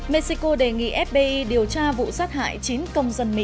mexico đề nghị fbi điều tra vụ sát hại chín công dân mỹ